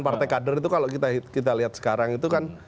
partai kader itu kalau kita lihat sekarang itu kan